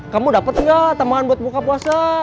kamu dapat nggak tambahan buat buka puasa